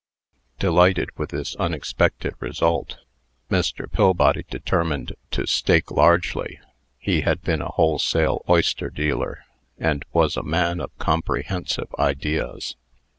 Delighted with this unexpected result, Mr. Pillbody determined to stake largely (he had been a wholesale oyster dealer, and was a man of comprehensive ideas).